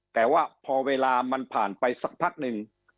แต่ว่าพอเวลามันผ่านไปสักพักหนึ่ง